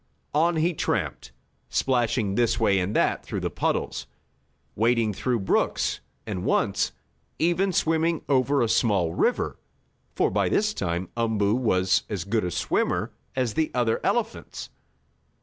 On he tramped, splashing this way and that through the puddles, wading through little brooks and, once, even swimming over a small river, for, by this time Umboo was as good a swimmer as the other elephants.